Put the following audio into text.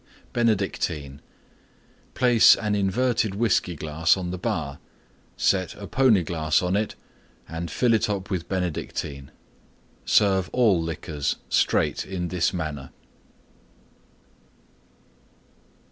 BENEDICTINE Place an inverted Whiskey glass on the bar, set a Pony glass on it and fill up with Benedictine. Serve all liquors straight in this manner.